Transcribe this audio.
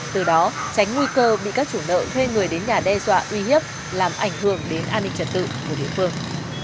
từ đó tránh nguy cơ bị các chủ nợ thuê người đến nhà đe dọa uy hiếp làm ảnh hưởng đến an ninh trật tự của địa phương